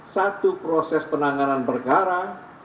satu proses penanganan perkara